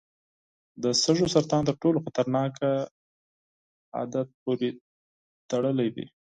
د سږو سرطان تر ټولو خطرناک عادت پورې تړلی دی.